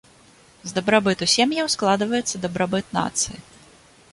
З дабрабыту сем'яў складваецца дабрабыт нацыі.